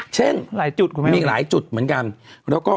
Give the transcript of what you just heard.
เช่นมีหลายจุดเหมือนกันแล้วก็